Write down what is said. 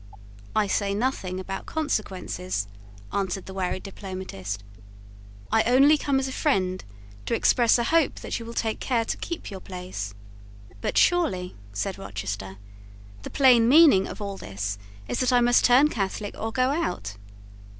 "I say nothing about consequences," answered the wary diplomatist. "I only come as a friend to express a hope that you will take care to keep your place." "But surely," said Rochester, "the plain meaning of all this is that I must turn Catholic or go out."